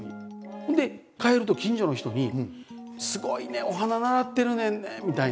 ほんで帰ると近所の人に「すごいね！お花習ってるねんね」みたいな。